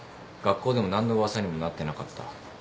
学校でも何の噂にもなってなかった。